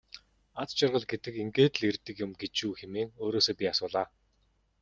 Аз жаргал гэдэг ингээд л ирдэг юм гэж үү хэмээн өөрөөсөө би асуулаа.